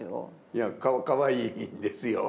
いやかわいいですよ。